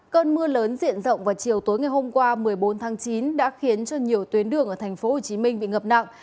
cơn mưa lớn diện rộng vào chiều tối ngày hôm qua một mươi bốn tháng chín đã khiến cho nhiều tuyến đường ở tp hcm bị ngập nặng